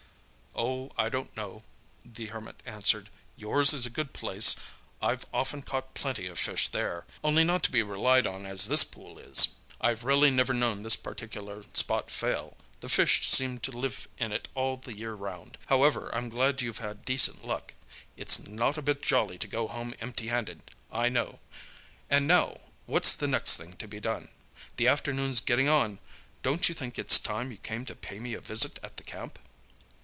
"Oh, I don't know," the Hermit answered. "Yours is a good place—I've often caught plenty of fish there—only not to be relied on as this pool is. I've really never known this particular spot fail—the fish seem to live in it all the year round. However, I'm glad you've had decent luck—it's not a bit jolly to go home empty handed, I know. And now, what's the next thing to be done? The afternoon's getting on—don't you think it's time you came to pay me a visit at the camp?"